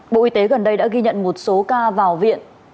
bộ y tế gần đây đã ghi nhận một số ca vào viện